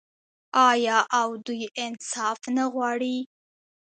آیا او دوی انصاف نه غواړي؟